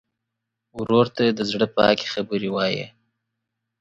ورور ته د زړه پاکې خبرې وایې.